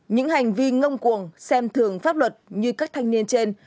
những hành vi ngông cuồng xem thường pháp luật như các thanh niên trên